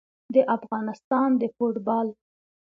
د افغانستان د فوټبال